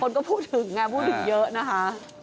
คนก็พูดถึงไงพูดถึงเยอะนะคะ